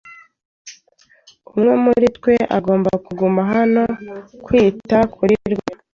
Umwe muri twe agomba kuguma hano no kwita kuri Rwema.